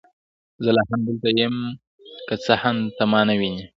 زه لا هم دلته یم، که څه هم ته ما نه وینې.